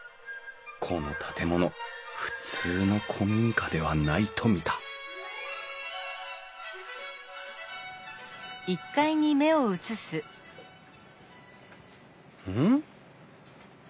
この建物普通の古民家ではないと見たうん？